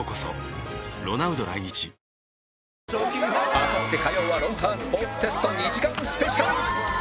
あさって火曜は『ロンハー』スポーツテスト２時間スペシャル